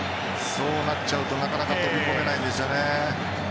そうなっちゃうとなかなか飛び込めないですよね。